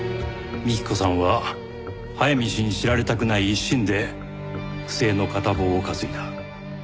幹子さんは早見氏に知られたくない一心で不正の片棒を担いだ。